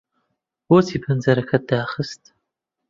بۆچی پەنجەرەکەت داخست؟